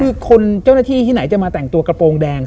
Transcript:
คือคนเจ้าหน้าที่ที่ไหนจะมาแต่งตัวกระโปรงแดง